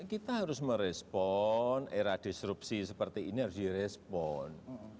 kita harus merespon era disrupsi seperti ini harus direspon